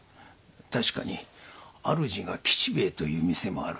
確かにあるじが吉兵衛という店もある。